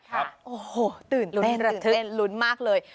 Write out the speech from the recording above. ครับโอ้โหตื่นเต้นตื่นเต้นตื่นเต้นลุ้นมากเลย